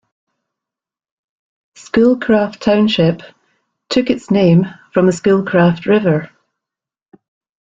Schoolcraft Township took its name from the Schoolcraft River.